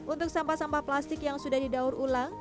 untuk sampah sampah plastik yang sudah didaur ulang